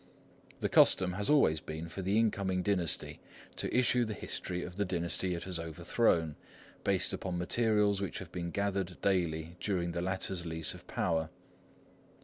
The custom has always been for the incoming dynasty to issue the history of the dynasty it has overthrown, based upon materials which have been gathered daily during the latter's lease of power.